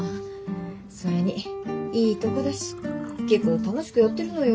それにいいとこだし結構楽しくやってるのよ。